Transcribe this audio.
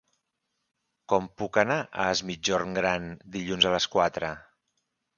Com puc anar a Es Migjorn Gran dilluns a les quatre?